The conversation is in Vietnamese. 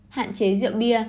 hạn chế rượu bia